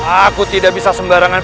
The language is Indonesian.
aku tidak bisa sembarangan